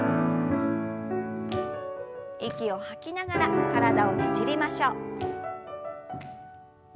息を吐きながら体をねじりましょう。